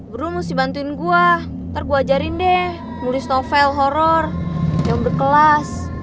beruah mesti bantuin gua ntar gua ajarin deh nulis novel horror yang berkelas